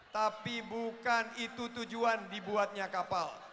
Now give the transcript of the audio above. tapi bukan itu tujuan dibuatnya kapal